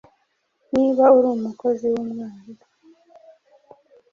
Niba uri umukozi w’umwaga